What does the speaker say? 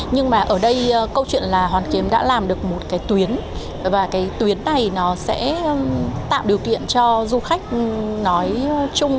nhưng mà ở đây câu chuyện là hoàn kiếm đã làm được một cái tuyến và cái tuyến này nó sẽ tạo điều kiện cho du khách nói chung